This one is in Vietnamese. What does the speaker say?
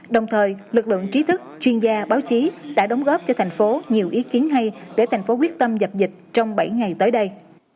đồng thời lực lượng trí thức chuyên gia báo chí đã đóng góp cho thành phố nhiều ý kiến hay để thành phố quyết tâm dập dịch trong bảy ngày tới đây